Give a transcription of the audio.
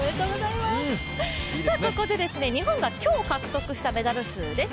ここで日本が今日獲得したメダル数です。